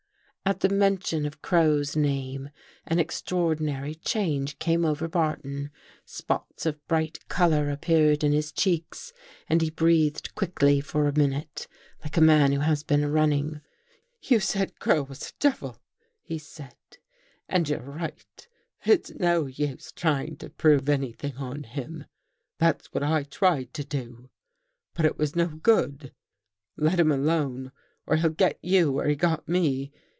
At the mention of Crow's name an extraordinary change came over Barton. Spots of bright color appeared In his cheeks and he breathed quickly for a minute, like a man who has been running. " You said Crow was a devil," he said, " and you're right. It's no use trying to prove anything on him. That's what I tried to do. But It was no 239 THE GHOST GIRL good. Let him alone or he'll get you where he got me.